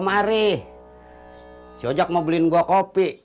mari si ojak mau beliin gua kopi